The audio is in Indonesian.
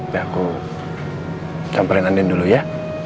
biar aku campurin andin dulu ya